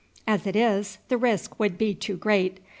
As it is, the risk would be too great.